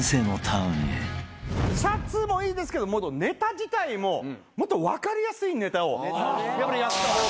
シャツもいいですけどネタ自体ももっと分かりやすいネタをやっぱりやった方が。